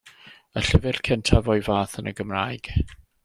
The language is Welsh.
Y llyfr cyntaf o'i fath yn y Gymraeg.